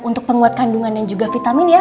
untuk penguat kandungan dan juga vitamin ya